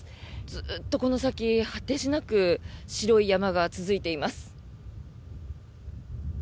ずっとこの先、果てしなく白い山が続いています。